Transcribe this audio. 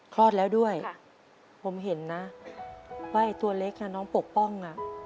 คลอดแล้วด้วยผมเห็นนะว่าไอ้ตัวเล็กน้องปกป้อง